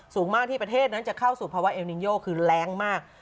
สูงมากที่ประเทศนั้นจะเข้าสู่ภาวะเอลนินโยคือแรงมาก